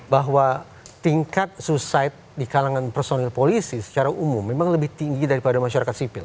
bahwa tingkat suicide di kalangan personil polisi secara umum memang lebih tinggi daripada masyarakat sipil